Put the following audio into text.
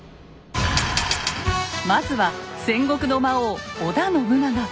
まずは戦国の魔王織田信長。